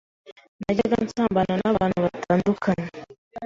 najyaga nsambana n’abantu batandukanye